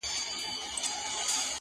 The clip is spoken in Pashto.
چي د کابل ګرېوان ته اور توی که!